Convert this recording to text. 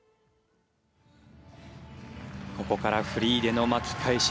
ここからフリーでの巻き返し